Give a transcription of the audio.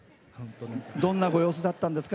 どんなご様子だったんですか？